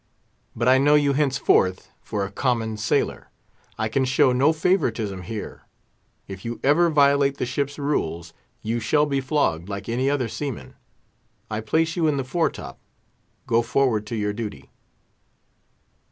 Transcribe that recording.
But I know you henceforth for a common sailor. I can show no favouritism here. If you ever violate the ship's rules, you shall be flogged like any other seaman. I place you in the fore top; go forward to your duty."